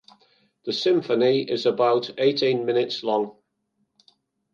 The symphony is about eighteen minutes long.